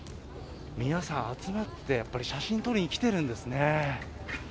皆さん、集まって、やっぱり写真撮りに来てるんですね。